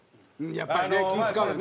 やっぱりね気ぃ使うよね。